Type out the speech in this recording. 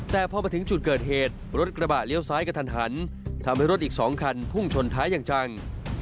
แต่พอมาถึงจุดเกิดเหตุรถกระบะเลี้ยวซ้ายกระทันหันทำให้รถอีก๒คันพุ่งชนท้ายอย่างจัง